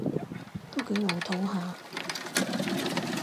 都幾老套吓